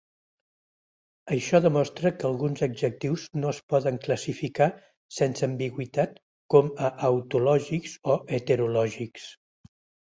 Això demostra que alguns adjectius no es poden classificar sense ambigüitat com a autològics o heterològics.